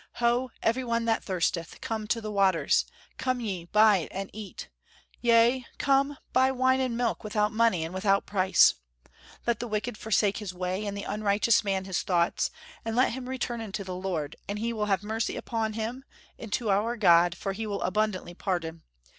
"Ho, every one that thirsteth, come to the waters! Come ye, buy and eat! Yea, come, buy wine and milk without money and without price!... Let the wicked forsake his way, and the unrighteous man his thoughts, and let him return unto the Lord, and he will have mercy upon him, and to our God, for he will abundantly pardon...